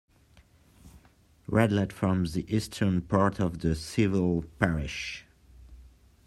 Radlett forms the eastern part of the civil parish.